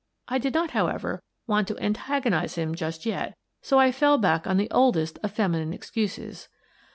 I did not, however, want to an tagonize him just yet, so I fell back on the oldest of feminine excuses.